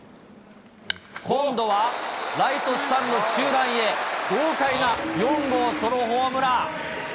今度はライトスタンド中段へ豪快な４号ソロホームラン。